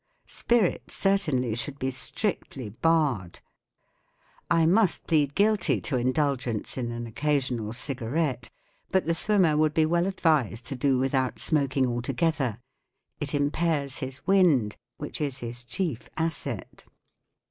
Spirits certainly should be strictly barred. I must plead guilty to indulgence in an occasional cigarette, but the swimmer would be well ad¬ vised to do without smoking altogether. It impairs his wind, which is his chief asset.